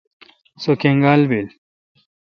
سو کنگال بیل۔